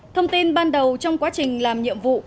thông tin ban đầu trong quá trình làm nhiệm vụ